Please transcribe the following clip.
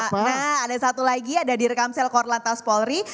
nah ada satu lagi ada di rekamsel korlantas polri